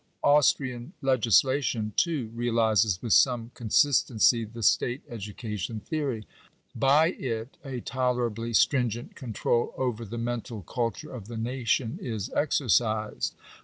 Austrian legislation, too, realizes with some con sistency the state education theory. By it a tolerably stringent control over the mental culture of the nation is exercised.